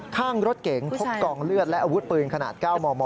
ข้างรถเก๋งพบกองเลือดและอาวุธปืนขนาด๙มม